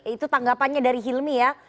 itu tanggapannya dari hilmi ya